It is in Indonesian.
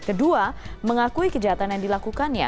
kedua mengakui kejahatan yang dilakukannya